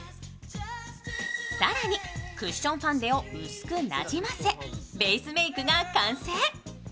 更にクッションファンデを薄くなじませベースメークが完成。